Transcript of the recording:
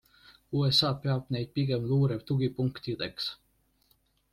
USA peab neid pigem luure tugipunktideks.